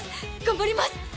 頑張ります。